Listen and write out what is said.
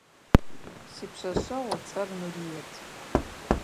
Сипшъэшъэгъу ыцӏэр Нурыет.